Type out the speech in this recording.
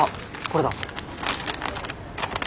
これだ。